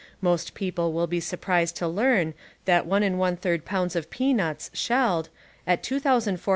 Most people will be surprised to learn that one and one third pounds of peanuts (shelled) at 2485 calories per *H. T.